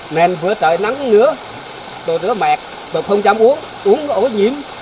nên vừa trời nắng nữa tôi rất mệt tôi không dám uống uống có ố nhiễm